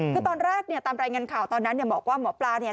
คือตอนแรกเนี่ยตามรายงานข่าวตอนนั้นเนี่ยบอกว่าหมอปลาเนี่ย